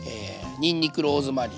にんにくローズマリー。